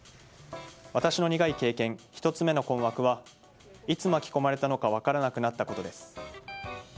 私の苦い経験、１つ目の困惑はいつ巻き込まれたのか分からなくなったことです。